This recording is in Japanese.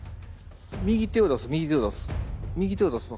右手を出す右手を出す。